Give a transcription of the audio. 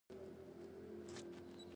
پراخ ذهن د تنگ نظرۍ ضد دی.